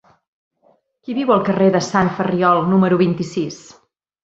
Qui viu al carrer de Sant Ferriol número vint-i-sis?